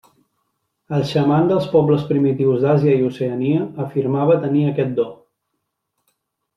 El xaman dels pobles primitius d'Àsia i Oceania afirmava tenir aquest do.